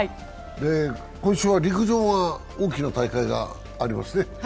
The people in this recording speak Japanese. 今週は陸上が大きな大会がありますね。